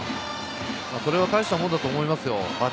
それは大したものだと思いますよ。